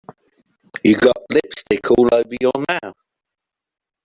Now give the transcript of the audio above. You've got lipstick all over your mouth.